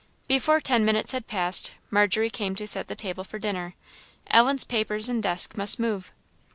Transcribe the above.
Before ten minutes had passed, Margery came to set the table for dinner; Ellen's papers and desk must move.